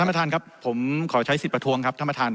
ประธานครับผมขอใช้สิทธิ์ประท้วงครับท่านประธาน